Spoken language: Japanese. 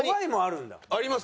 あります。